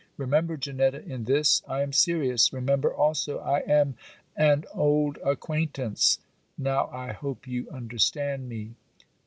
Remember, Janetta, in this I am serious; remember also I am an old acquaintance now I hope you understand me.